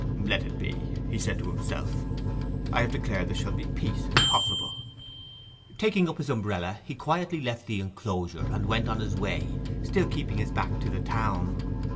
'Let it be,' he said to himself. 'I have declared there shall be peace—if possible.' Taking up his umbrella he quietly left the enclosure, and went on his way, still keeping his back to the town.